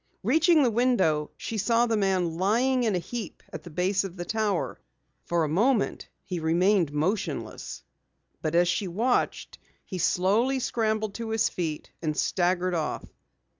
Reaching the window she saw the man lying in a heap at the base of the tower. For a moment he remained motionless, but as she watched, he slowly scrambled to his feet and staggered off.